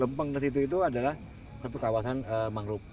rempeng ke situ itu adalah satu kawasan mangrove